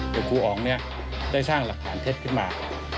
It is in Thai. แต่ครูอ๋องเนี่ยได้สร้างหลักฐานเท็จขึ้นมา